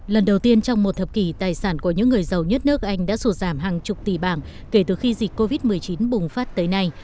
lần đầu tiên trong một thập kỷ tài sản của những người giàu nhất nước anh đã sụt giảm hàng chục tỷ bảng kể từ khi dịch covid một mươi chín bùng phát tới nay